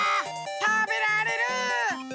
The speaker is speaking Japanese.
たべられる！